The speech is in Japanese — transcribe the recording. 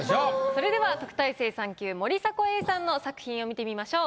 それでは特待生３級森迫永依さんの作品を見てみましょう。